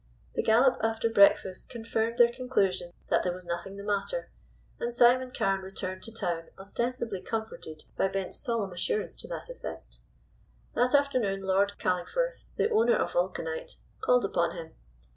The gallop after breakfast confirmed their conclusion that there was nothing the matter, and Simon Carne returned to town ostensibly comforted by Bent's solemn assurance to that effect. That afternoon Lord Calingforth, the owner of Vulcanite, called upon him.